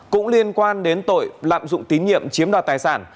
cũng liên quan đến tội lạm dụng tín nhiệm chiếm đoạt tài sản